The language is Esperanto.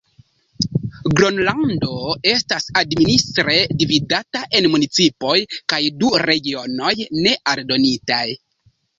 Gronlando estas administre dividata en municipoj kaj du regionoj ne aldonitaj.